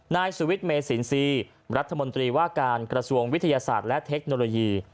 นายสุวิทย์เมสินทรีย์รัฐมนตรีว่าการกระทรวงวิทยาศาสตร์และเทคโนโลยี